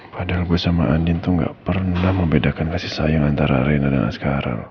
padahal gue sama andin tuh nggak pernah membedakan kasih sayang antara reina dan askara loh